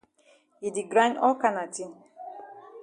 E di grind all kana tin.